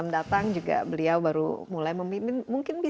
dan tingkat berikut yang kebal